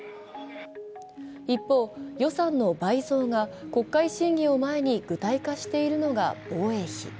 一方、予算の倍増が国会審議を前に具体化しているのが防衛費。